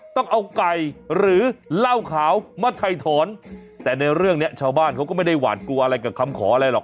ต้องเอาไก่หรือเหล้าขาวมาถ่ายถอนแต่ในเรื่องนี้ชาวบ้านเขาก็ไม่ได้หวาดกลัวอะไรกับคำขออะไรหรอก